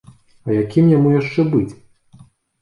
А якім яму яшчэ быць?